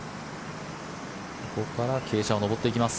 ここから傾斜を上っていきます。